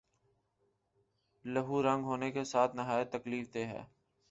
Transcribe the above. لہو رنگ ہونے کے ساتھ نہایت تکلیف دہ ہے